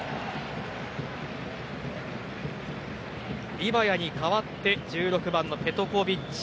リヴァヤに代わって１６番のペトコヴィッチ。